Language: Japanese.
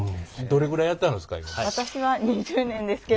どれぐらいやってはるんですか？